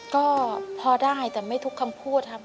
ก็พอได้แต่ไม่ทุกคำพูดครับ